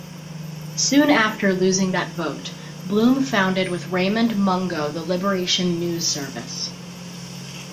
Soon after losing that vote, Bloom founded with Raymond Mungo the Liberation News Service.